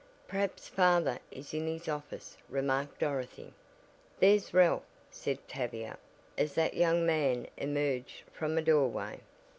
"Perhaps father is in his office," remarked Dorothy. "There's Ralph," said Tavia, as that young man emerged from a doorway.